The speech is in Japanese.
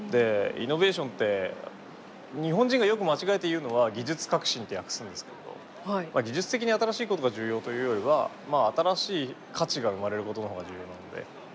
イノベーションって日本人がよく間違えて言うのは技術革新って訳すんですけれど技術的に新しいことが重要というよりは新しい価値が生まれることの方が重要なので。